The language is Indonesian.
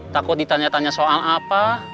takut ditanya tanya soal apa